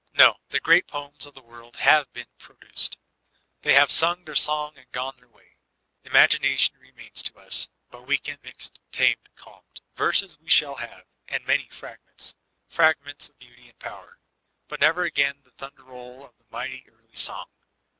No, the great poems of the world have betn produced ; they have sung their song and gone their way. Imaginft* LmiATUBB THE MlUtOE OF MAN 375 tioo remains to us, but wcakenedt mixed, tamed, calmed. Verses we shall have, — and mamy fragments, — frag ments of beauty and power ; but never again the thunder roll of the mighty early song.